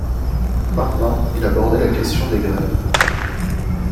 Maintenant, il abordait la question des grèves.